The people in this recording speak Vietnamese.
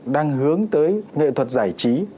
đang hướng tới nghệ thuật giải trí